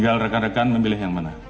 tinggal rekan rekan memilih yang mana